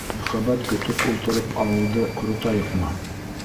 Мөхәббәт көтөп ултырып ауылды ҡоротайыҡмы?